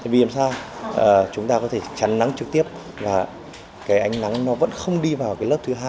vì làm sao chúng ta có thể chắn nắng trực tiếp và cái ánh nắng nó vẫn không đi vào cái lớp thứ hai